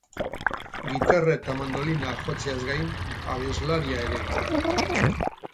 Gitarra eta mandolina jotzeaz gain, abeslaria ere bada.